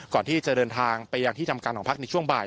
ก่อนที่จะเดินทางไปยังที่ทำการของพักในช่วงบ่าย